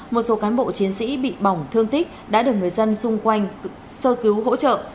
một số cán bộ chiến sĩ bị bỏng thương tích đã được người dân xung quanh sơ cứu hỗ trợ